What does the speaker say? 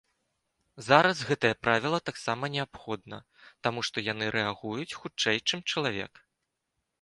Зараз гэтае правіла таксама неабходна, таму што яны рэагуюць хутчэй, чым чалавек.